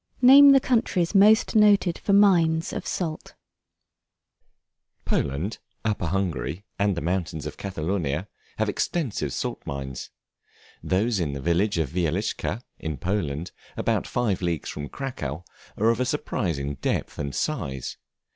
Name the countries most noted for mines of Salt. Poland, Upper Hungary, and the mountains of Catalonia, have extensive salt mines; those in the village of Wieliczca, in Poland, about five leagues from Cracow, are of a surprising depth and size.